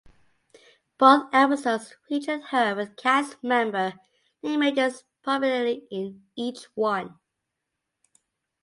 Both episodes featured her with cast member Lee Majors prominently in each one.